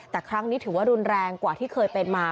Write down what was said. แต่ครั้งนี้ถือว่ารุนแรงกว่าที่เคยเป็นมา